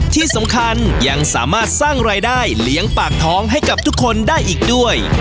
ที่สำคัญยังสามารถสร้างรายได้เลี้ยงปากท้องให้กับทุกคนได้อีกด้วย